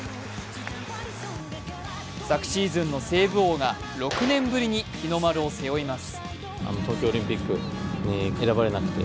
昨シーズンのセーブ王が６年ぶりに日の丸を背負います。